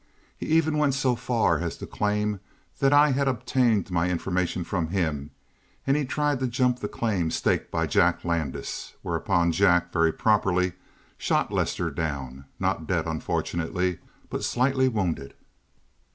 He even went so far as to claim that I had obtained my information from him and he tried to jump the claims staked by Jack Landis, whereupon Jack, very properly, shot Lester down. Not dead, unfortunately, but slightly wounded.